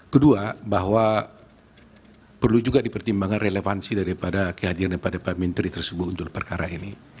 kedua bahwa perlu juga dipertimbangkan relevansi daripada kehadiran daripada pak menteri tersebut untuk perkara ini